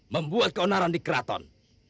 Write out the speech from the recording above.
membuat keonaran di kraton